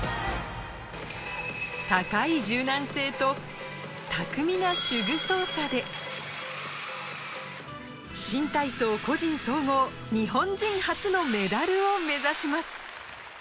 高い柔軟性と、巧みな手具操作で新体操個人総合日本人初のメダルを目指します。